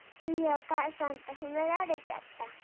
いいお母さんって褒められちゃった